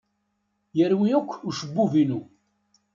Yerwi akk ucebbub-inu.